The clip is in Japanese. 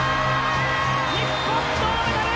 日本銅メダル！